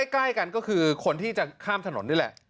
ใกล้กันก็คือคนที่จะข้ามถนนนี่แหละ